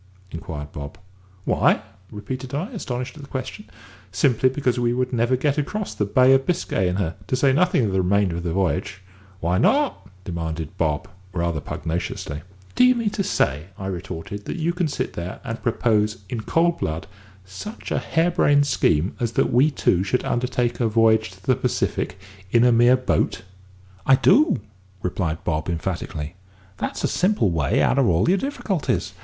inquired Bob. "Why?" repeated I, astonished at the question. "Simply because we should never get across the Bay of Biscay in her, to say nothing of the remainder of the voyage." "Why not?" demanded Bob, rather pugnaciously. "Do you mean to say," I retorted, "that you can sit there and propose in cold blood such a hair brained scheme as that we two should undertake a voyage to the Pacific in a mere boat?" "I do," replied Bob emphatically. "That's a simple way out of all your difficulties.